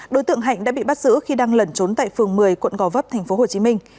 đối tượng hạnh đã bị bắt giữ khi đang lẩn trốn tại phường một mươi quận gò vấp thành phố hồ chí minh